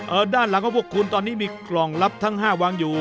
ด้านหลังของพวกคุณตอนนี้มีกล่องลับทั้งห้าวางอยู่